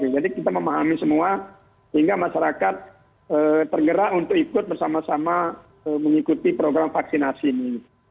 jadi kita memahami semua sehingga masyarakat tergerak untuk ikut bersama sama mengikuti program vaksinasi ini